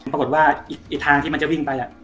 ปรากฏว่าอีกทางที่มันจะวิ่งไป